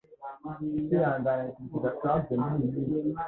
Kwihangana nikintu kidasanzwe muriyi minsi.